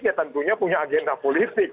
ya tentunya punya agenda politik